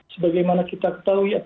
sebagai mana kita ketahui